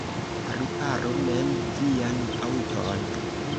Riparu mem vian aŭton.